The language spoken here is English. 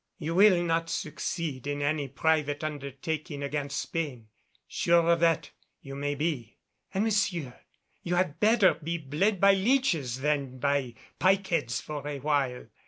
You will not succeed in any private undertaking against Spain, sure of that you may be. And, monsieur, you had better be bled by leeches than by pike heads for awhile.